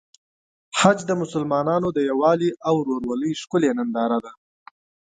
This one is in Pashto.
حج د مسلمانانو د یووالي او ورورولۍ ښکلی ننداره ده.